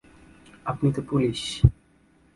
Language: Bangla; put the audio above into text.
আপনি তো পুলিশ!